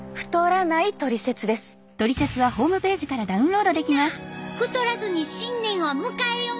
みんな太らずに新年を迎えよう！